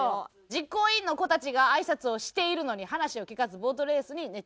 実行委員の子たちがあいさつをしているのに話を聞かずボートレースに熱中していたという。